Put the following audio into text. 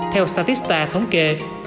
theo statista thống kê